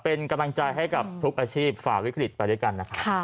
เป็นกำลังใจให้กับทุกอาชีพฝ่าวิกฤตไปด้วยกันนะครับ